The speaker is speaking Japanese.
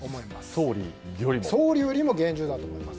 総理よりも厳重だと思います。